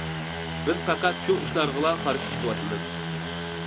بىز پەقەت شۇ ئىشلارغىلا قارشى چىقىۋاتىمىز.